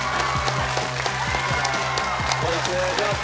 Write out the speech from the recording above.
よろしくお願いします。